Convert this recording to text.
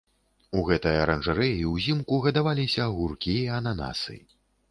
У гэтай аранжарэі ўзімку гадаваліся агуркі і ананасы.